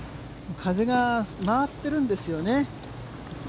風が回っているんですよね。